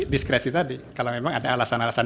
diskresi tadi kalau memang ada alasan alasan